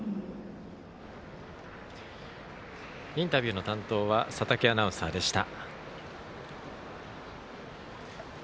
インタビューの担当は佐竹アナウンサーでした。